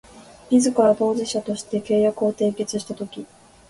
自ら当事者として契約を締結したとき